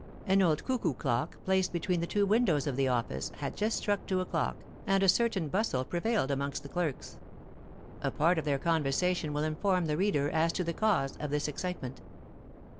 An old cuckoo clock, placed between the two windows of the office, had just struck two o'clock, and a certain bustle prevailed amongst the clerks; a part of their conversation will inform the reader as to the cause of this excitement.